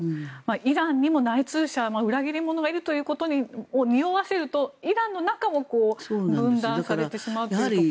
イランにも内通者裏切り者がいるということをにおわせるとイランの中も分断されてしまうというところも。